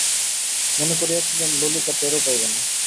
মনে করিয়াছিলেন, ললিতা টেরও পাইবে না।